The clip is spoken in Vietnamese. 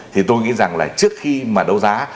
thì tôi nghĩ rằng là trước khi mà đấu giá